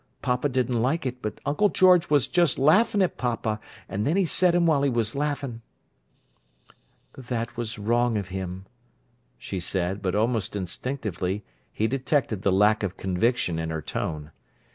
Papa didn't like it, but Uncle George was just laughin' at papa, an' then he said 'em while he was laughin'." "That was wrong of him," she said, but almost instinctively he detected the lack of conviction in her tone.